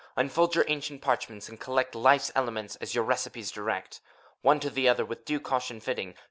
Unfold your ancient parchments, and collect Life's elements as your recipes direct. One to the other with due caution fitting.